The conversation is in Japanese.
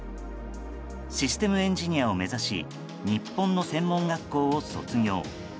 システムエンジニアを目指し日本の専門学校を卒業。